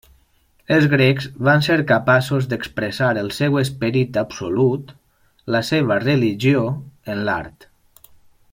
Els grecs van ser capaços d'expressar el seu esperit absolut, la seva religió, en l'art.